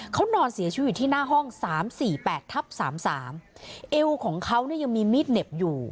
เขานอนเสียชีวิตอยู่ที่หน้าห้องสามสี่แปดทับสามสามเอวของเขาเนี่ยยังมีมีดเหน็บอยู่